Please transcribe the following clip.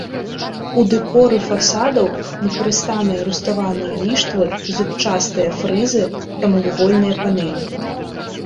У дэкоры фасадаў выкарыстаны руставаныя ліштвы, зубчастыя фрызы, прамавугольныя панэлі.